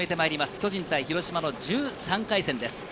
巨人対広島の１３回戦です。